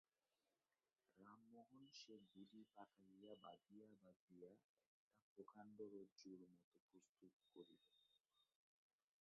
রামমোহন সে গুলি পাকাইয়া বাঁধিয়া বাঁধিয়া একটা প্রকাণ্ড রজ্জুর মত প্রস্তুত করিল।